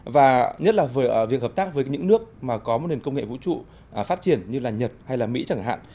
và nhất là việc hợp tác với những nước mà có một nền công nghệ vũ trụ phát triển như là nhật hay là mỹ chẳng hạn